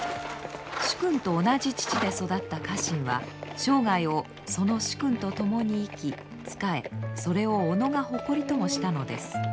主君と同じ乳で育った家臣は生涯をその主君と共に生き仕えそれをおのが誇りともしたのです。